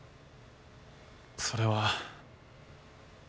それは。